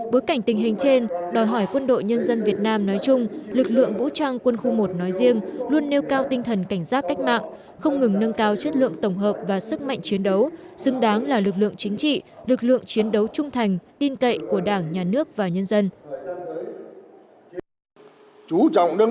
bối cảnh tình hình trên đòi hỏi quân đội nhân dân việt nam nói chung lực lượng vũ trang quân khu một nói riêng luôn nêu cao tinh thần cảnh giác cách mạng không ngừng nâng cao chất lượng tổng hợp và sức mạnh chiến đấu xứng đáng là lực lượng chính trị lực lượng chiến đấu trung thành tin cậy của đảng nhà nước và nhân dân